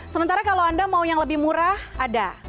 sementara kalau anda mau yang lebih murah ada